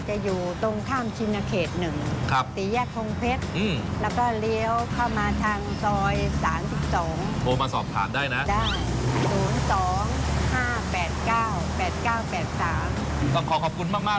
จะอยู่ตรงข้ามชินาเขต๑ตีแรกฮรุงเพชร